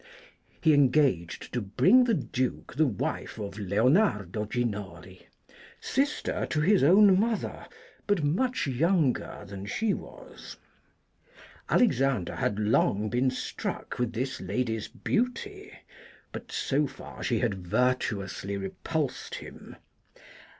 He engaged to bring the Duke the wife of Leonardo Ginori sister to his own mother, but much younger than she was. Alexander had long been struck with this lady's beauty, but so far she had virtuously repulsed him.